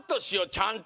ちゃんと！